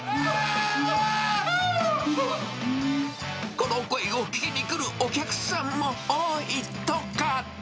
この声を聞きにくるお客さんも多いとか。